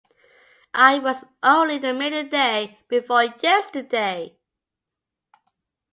I was only made the day before yesterday.